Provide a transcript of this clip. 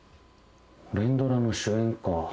連ドラの主演か。